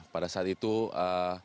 pada saat itu indonesia meraih emas